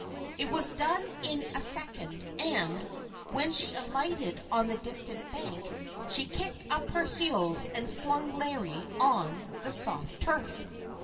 It was done in a second; and, when she alighted on the distant bank, she kicked up her heels, and flung Larry on the soft turf.